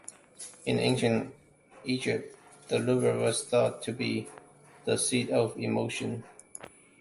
In ancient Egypt, the liver was thought to be the seat of emotion.